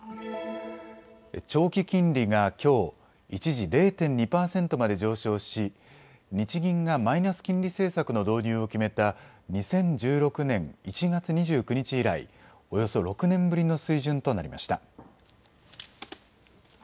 長期金利がきょう一時、０．２％まで上昇し日銀がマイナス金利政策の導入を決めた２０１６年１月２９日以来、およそ６年ぶりの水準となりました。